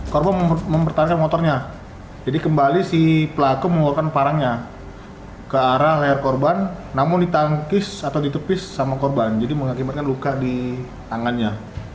korban mempertahankan motornya jadi kembali si pelaku mengeluarkan parangnya ke arah leher korban namun ditangkis atau ditepis sama korban jadi mengakibatkan luka di tangannya